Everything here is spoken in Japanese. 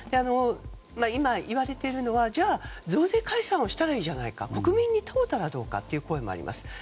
今、言われているのはじゃあ増税解散をしたらいいじゃないか国民に問えばどうかという声もあります。